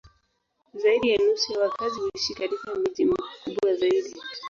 Zaidi ya nusu ya wakazi huishi katika miji mikubwa zaidi.